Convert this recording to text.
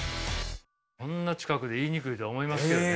こんな近くで言いにくいとは思いますけどね。